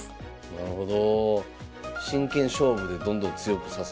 なるほど。